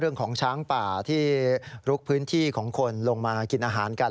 เรื่องของช้างป่าที่ลุกพื้นที่ของคนลงมากินอาหารกัน